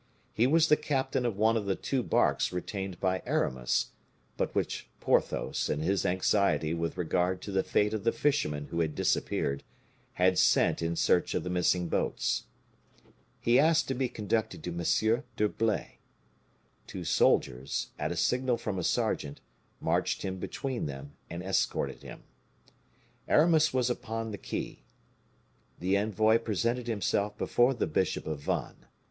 He was the captain of one of the two barks retained by Aramis, but which Porthos, in his anxiety with regard to the fate of the fishermen who had disappeared, had sent in search of the missing boats. He asked to be conducted to M. d'Herblay. Two soldiers, at a signal from a sergeant, marched him between them, and escorted him. Aramis was upon the quay. The envoy presented himself before the bishop of Vannes.